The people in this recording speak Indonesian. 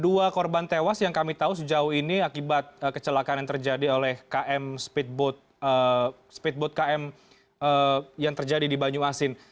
dua korban tewas yang kami tahu sejauh ini akibat kecelakaan yang terjadi oleh km speedboat km yang terjadi di banyu asin